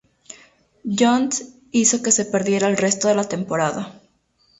John's hizo que se perdiera el resto de la temporada.